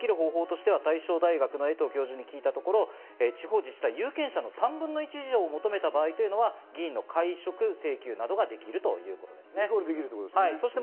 解消できる方法としては大正大学の江藤教授に聞いたところ、地方自治体の有権者３分の１以上を求めた場合というのが、議員の解職請求などができるということですね。